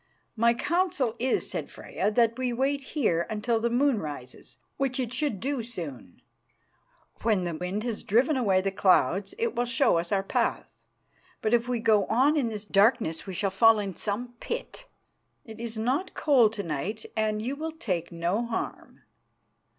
"My counsel is," said Freydisa, "that we wait here until the moon rises, which it should do soon. When the wind has driven away the clouds it will show us our path, but if we go on in this darkness we shall fall into some pit. It is not cold to night, and you will take no harm."